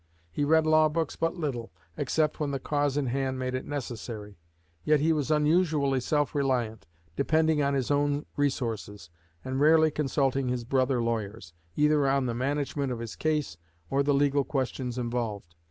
He read law books but little, except when the cause in hand made it necessary; yet he was unusually self reliant, depending on his own resources, and rarely consulting his brother lawyers either on the management of his case or the legal questions involved.